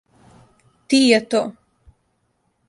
Ти је то.